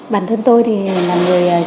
bản thân tôi là người trực tiếp